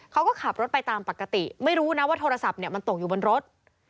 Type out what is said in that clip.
เขาก็ขับรถไปตามปกติไม่รู้นะว่าโทรศัพท์เนี่ยมันตกอยู่บนรถ